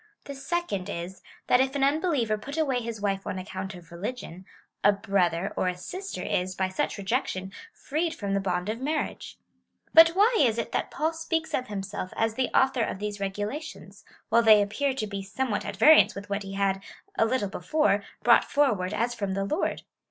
The second is, that if an unbeliever put away his wife on account of religion, a brother or a sister is, by such rejection, freed from the bond of mar riage./ But why is it that Paul speaks of himself as the author of these regulations, while they appear to be some what at variance with what he had, a little before, brought forward, as from the Lord